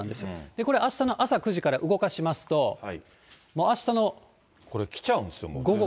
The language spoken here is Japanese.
これ、あしたの朝９時から動かしこれ来ちゃうんですよ。